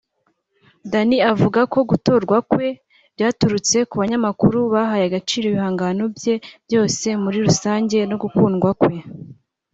Danny avugako gutorwa kwe byaturutse ku banyamakuru bahaye agaciro ibihangano bye byose muri rusange n’ugukundwa kwe